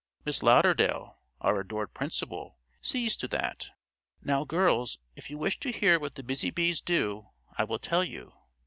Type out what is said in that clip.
Miss Lauderdale, our adored principal, sees to that. Now, girls, if you wish to hear what the busy bees do, I will tell you."